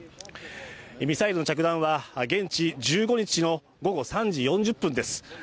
ミサイルの着弾は現地１５日の午後３時４０分です。